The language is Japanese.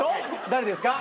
誰ですか？